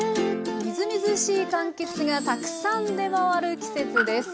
みずみずしいかんきつがたくさん出回る季節です。